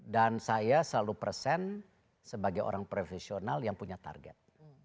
dan saya selalu present sebagai orang profesional yang punya target